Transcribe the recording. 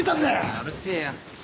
うるせえよ。